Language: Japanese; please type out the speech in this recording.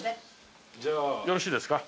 よろしいですか？